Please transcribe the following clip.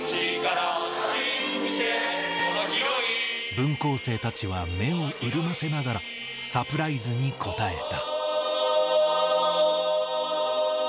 分校生たちは目を潤ませながら、サプライズに応えた。